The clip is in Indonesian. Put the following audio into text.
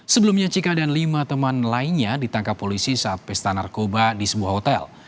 sebelumnya cika dan lima teman lainnya ditangkap polisi saat pesta narkoba di sebuah hotel